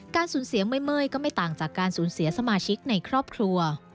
สูญเสียเมื่อยก็ไม่ต่างจากการสูญเสียสมาชิกในครอบครัว